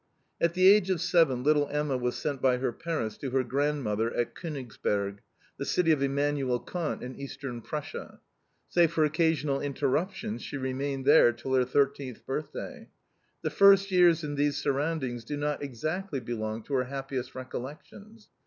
At the age of seven little Emma was sent by her parents to her grandmother at Konigsberg, the city of Emanuel Kant, in Eastern Prussia. Save for occasional interruptions, she remained there till her 13th birthday. The first years in these surroundings do not exactly belong to her happiest recollections.